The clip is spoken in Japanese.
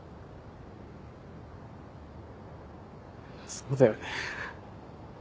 そうだよね。